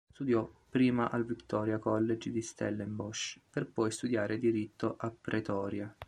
Studiò prima al Victoria College di Stellenbosch per poi studiare diritto a Pretoria.